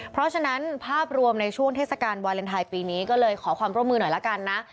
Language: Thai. เพราะฉะนั้นภาพรวมในช่วงเทศกาลวาเลนไทยปีนี้ก็เลยขอความร่วมมือหน่อยละกันนะ